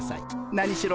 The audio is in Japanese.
何しろ